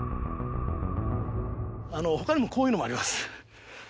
あのほかにもこういうのもあります。